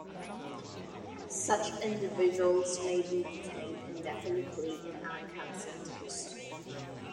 Such individuals may be detained indefinitely in "ankang" centres.